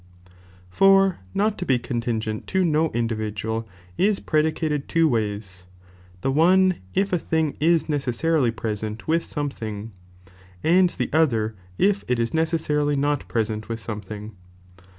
For oot to be contingent to no individual, is pre dictled two ways, the one if a thing is necessarily pitaiStiXne ^ prea^t with something, and the other if it is ks"»e1> 'n '"o necessarily not present with something.